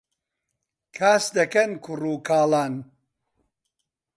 کاس دەکەن کوڕ و کاڵان